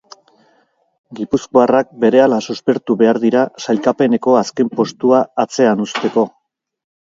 Gipuzkoarrak berehala suspertu behar dira sailkapeneko azken postua atzean uzteko.